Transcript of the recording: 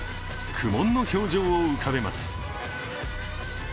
苦もんの表情を浮かべます。